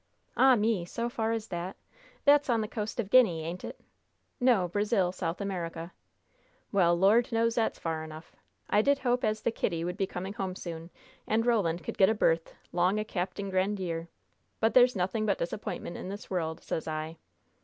"Ah me! so far as that? That's on the coast of Guinea, ain't it?" "No; Brazil, South America." "Well, Lord knows that's far enough. I did hope as the Kitty would be coming home soon, and Roland could get a berth 'long o' Capting Grandiere. But there's nothing but disappointment in this world, sez I!"